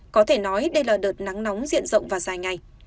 có thể nói đây là đợt nắng nóng diện rộng và dài ngày